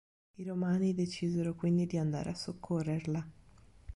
I Romani decisero quindi di andare a soccorrerla.